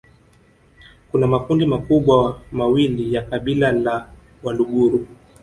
Kuna makundi makubwa mawili ya kabila la Waluguru